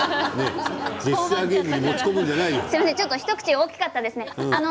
一口が大きかったですね。